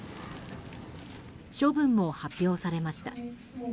処分も発表されました。